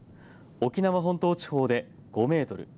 沖縄本島地方で１５メートル